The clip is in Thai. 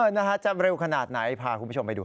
นะฮะจะเร็วขนาดไหนพาคุณผู้ชมไปดู